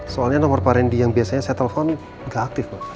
soalnya nomor pak rendy yang biasanya saya telepon gak aktif